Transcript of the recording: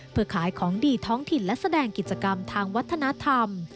เพื่อขายของดีท้องถิ่นและแสดงกิจกรรมทางวัฒนธรรม